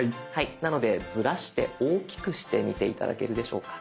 なのでズラして大きくしてみて頂けるでしょうか。